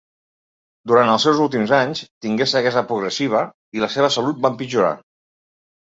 Durant els seus últims anys tingué ceguesa progressiva i la seva salut va empitjorar.